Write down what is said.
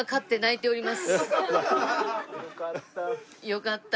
よかった！